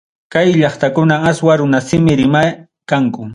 Kay llaqtakunam aswa runasimi rimay kanku.